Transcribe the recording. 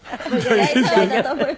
大丈夫だと思います。